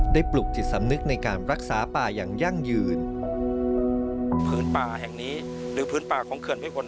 ปลุกจิตสำนึกในการรักษาป่าอย่างยั่งยืนพื้นป่าแห่งนี้หรือพื้นป่าของเขื่อนไม่บน